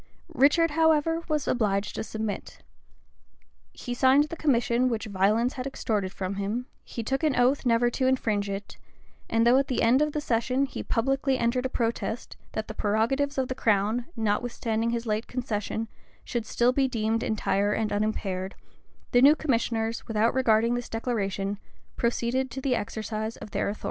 Richard, however, was obliged to submit: he signed the commission which violence had extorted from him; he took an oath never to infringe it; and though at the end of the session he publicly entered a protest, that the prerogatives of the crown, notwithstanding his late concession, should still be deemed entire and unimpaired,[] the new commissioners, without regarding this declaration, proceeded to the exercise of their authority.